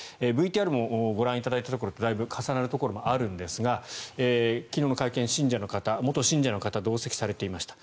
ＶＴＲでご覧いただいたところとだいぶ重なるところがあるんですが昨日の会見、元信者の方同席されていました。